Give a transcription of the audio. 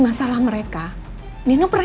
masalah mereka nino pernah